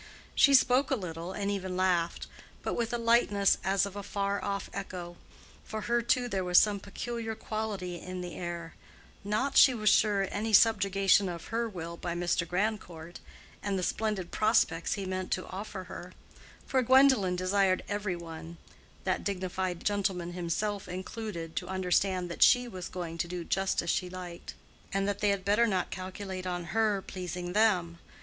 She spoke a little, and even laughed, but with a lightness as of a far off echo: for her too there was some peculiar quality in the air—not, she was sure, any subjugation of her will by Mr. Grandcourt, and the splendid prospects he meant to offer her; for Gwendolen desired every one, that dignified gentleman himself included, to understand that she was going to do just as she liked, and that they had better not calculate on her pleasing them.